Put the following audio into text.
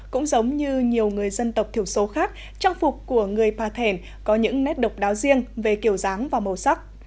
cũng giống như nhiều người dân tộc thiểu số khác trang phục của người pa thèn có những nét độc đáo riêng về kiểu dáng và màu sắc